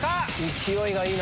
勢いがいいな。